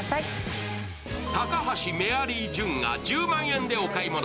高橋メアリージュンが１０万円でお買い物。